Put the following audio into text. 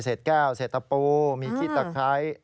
แก้วเศษตะปูมีขี้ตะไคร้